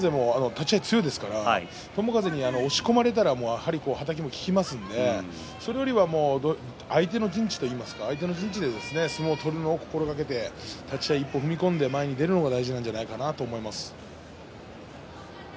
友風、押し込まれたらばはたきも効きますのでそれよりは相手の陣地といいますか相手の陣地で相撲を取るのを心がけて立ち合い一歩、踏み込んで前に出るのが大事だと思います。